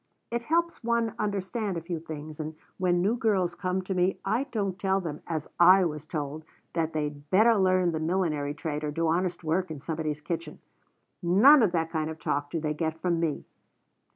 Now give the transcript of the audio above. It helps one understand a few things, and when new girls come to me I don't tell them, as I was told, that they'd better learn the millinery trade or do honest work in somebody's kitchen. None of that kind of talk do they get from me!"